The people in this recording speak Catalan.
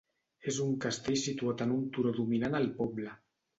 És un castell situat en un turó dominant el poble.